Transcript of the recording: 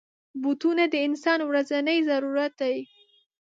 بوټونه د انسان ورځنی ضرورت دی.